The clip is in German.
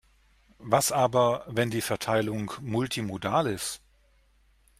Was aber, wenn die Verteilung multimodal ist?